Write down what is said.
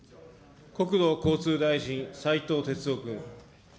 国土交通大臣、斉藤鉄夫君。